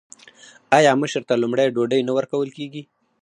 آیا مشر ته لومړی ډوډۍ نه ورکول کیږي؟